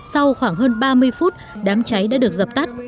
sau khoảng hơn ba mươi phút đám cháy đã được dập tắt